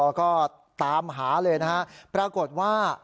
แล้วก็ตามหาเลยปรากฏค่ว่า